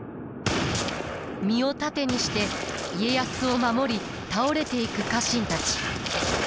身を盾にして家康を守り倒れていく家臣たち。